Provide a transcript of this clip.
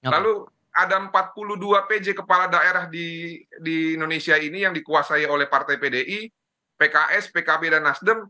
lalu ada empat puluh dua pj kepala daerah di indonesia ini yang dikuasai oleh partai pdi pks pkb dan nasdem